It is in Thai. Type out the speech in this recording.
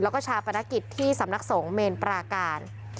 แล้วก็ชาปนกิจที่สำนักสงฆ์เมนปราการ